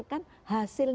loh kalah pr pr